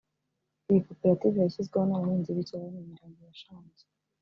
Iyi koperative yashyizweho n’abahinzi b’icyayi bo mu Mirenge ya Shangi